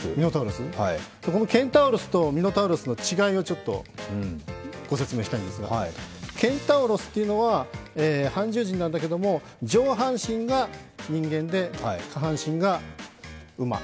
ケンタウロスとミノタウロスの違いをちょっとご説明したいんですが、ケンタウロスというのは、半獣神なんだけれども、上半身が人間で、下半身が馬。